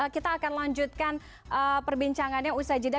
kita akan lanjutkan perbincangannya usai jeda